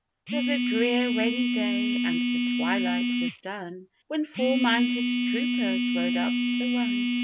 'Twas a drear, rainy day and the twilight was done, When four mounted troopers rode up to the run.